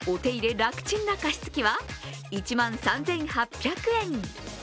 楽ちんな加湿器は１万３８００円。